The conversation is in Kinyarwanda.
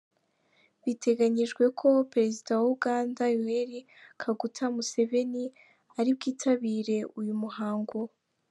Biteganyijwe ko Perezida wa Uganda, Yoweri Kaguta Museveni, ari bwitabirere uyu muhango.